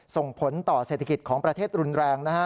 ส่งผลต่อเศรษฐกิจของประเทศรุนแรงนะฮะ